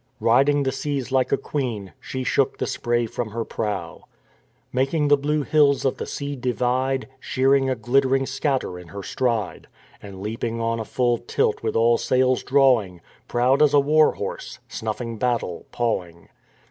Riding the seas like a queen, she shook the spray from her prow; " Making the blue hills of the sea divide, Shearing a glittering scatter in her stride, And leaping on full tilt with all sails drawing Proud as a war horse, snuffing battle, pawing."